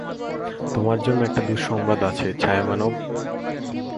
তোমার জন্যে একটা দুঃসংবাদ আছে, ছায়ামানব।